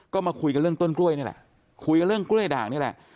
ก็มาคุยกันเรื่องต้นกล้วยนี่แหละคุยกันเรื่องกล้วยด่างนี่แหละ